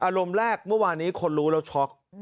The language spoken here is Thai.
ลมแรกเมื่อวานนี้คนรู้แล้วช็อก